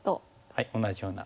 はい同じような。